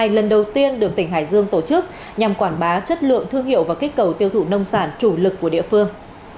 lần đầu tiên được tỉnh hải dương tổ chức nhằm quảng bá chất lượng thương hiệu và kích cầu tiêu thụ nông sản chủ lực của địa phương